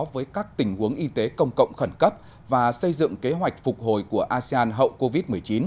với các tình huống y tế công cộng khẩn cấp và xây dựng kế hoạch phục hồi của asean hậu covid một mươi chín